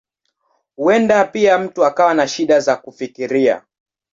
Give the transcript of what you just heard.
Huenda pia mtu akawa na shida za kufikiria.